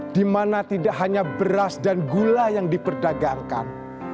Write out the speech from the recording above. dimana tidak hanya beras dan gula yang diperdagangkan